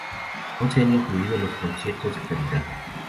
No se han incluido los conciertos de caridad.